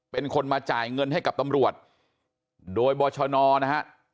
เป็นคนมาจ่ายเงินให้กับตำรวจโดยบชนนะฮะ